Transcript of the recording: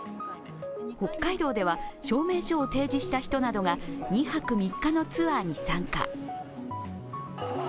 北海道では証明書を提示した人などが２泊３日のツアーに参加。